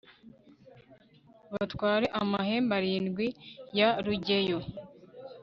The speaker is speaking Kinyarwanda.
batware amahembe arindwi ya rugeyo